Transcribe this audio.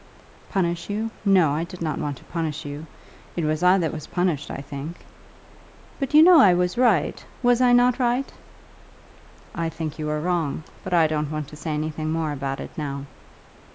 "Punish you, no; I did not want to punish you. It was I that was punished, I think." "But you know I was right. Was I not right?" "I think you were wrong, but I don't want to say anything more about it now."